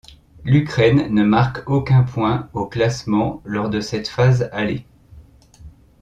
L'Ukraine ne marque aucun point au classement lors de cette phase aller.